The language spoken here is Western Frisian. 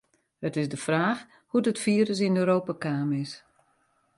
It is de fraach hoe't it firus yn Europa kaam is.